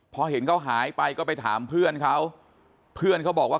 พอเห็นเขาหายไปก็ไปถามเพื่อนเขาเพื่อนเขาบอกว่า